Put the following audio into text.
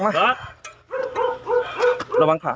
จัดกระบวนพร้อมกัน